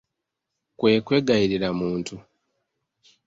Kwe kwegayirira muntu.